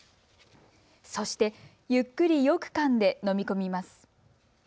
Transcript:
そして、ゆっくりよくかんで飲み込みます。